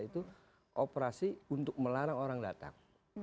itu operasi untuk melarang orang datang